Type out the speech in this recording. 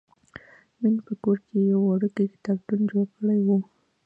مینې په کور کې یو وړوکی کتابتون جوړ کړی و